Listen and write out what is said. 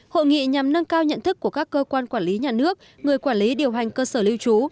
hội nghị nhằm nâng cao nhận thức của các cơ quan quản lý nhà nước người quản lý điều hành cơ sở lưu trú